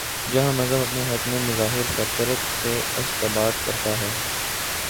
جہاں مذہب اپنے حق میں مظاہر فطرت سے استنباط کر تا ہے۔